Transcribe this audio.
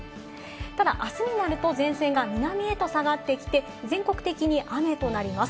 ただ、あすになると前線が南へと下がってきて全国的に雨となります。